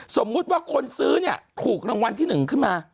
สมมุติว่าคนซื้อเนี่ยถูกรางวัลที่๑ขึ้นมา